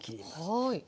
はい。